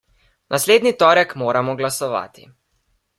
Naslednji torek moramo glasovati.